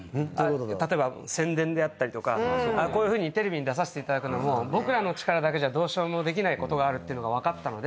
例えば宣伝であったりとかこういうふうにテレビに出させていただくのも僕らの力だけじゃどうしようもできないことがあるっていうのが分かったので。